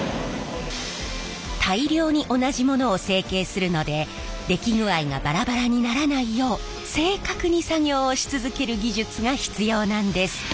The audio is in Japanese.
大量に同じものを成形するので出来具合がバラバラにならないよう正確に作業をし続ける技術が必要なんです。